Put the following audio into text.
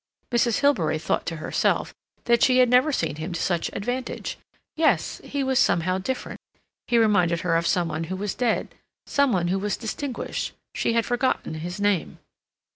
Mrs. Hilbery thought to herself that she had never seen him to such advantage; yes, he was somehow different; he reminded her of some one who was dead, some one who was distinguished—she had forgotten his name.